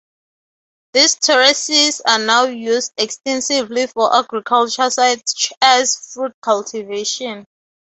These terraces are now used extensively for agriculture such as fruit cultivation.